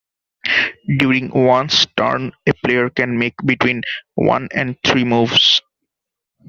During one's turn, a player can make between one and three moves.